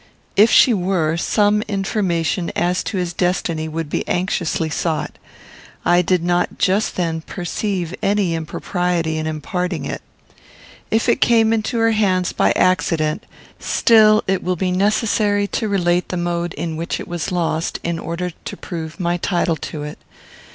If she were, some information as to his destiny would be anxiously sought. I did not, just then, perceive any impropriety in imparting it. If it came into her hands by accident, still, it will be necessary to relate the mode in which it was lost in order to prove my title to it.